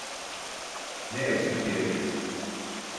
Ne yazık ki evet.